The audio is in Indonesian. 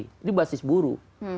ini basis buru